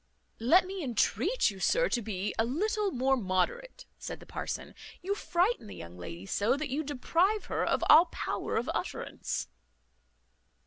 "Let me intreat you, sir, to be a little more moderate," said the parson; "you frighten the young lady so, that you deprive her of all power of utterance."